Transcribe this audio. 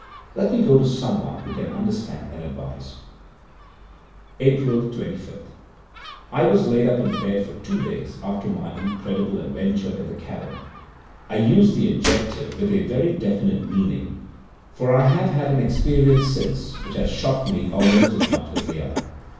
Let me go to someone who can understand and advise. < 10 > April 25. I was laid up in bed for two days after my incredible adventure in the cavern. I use the adjective with a very definite meaning, for I have had an experience since which has shocked me almost as much as the other.